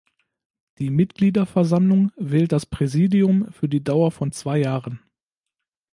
Die Mitgliederversammlung wählt das Präsidium für die Dauer von zwei Jahren.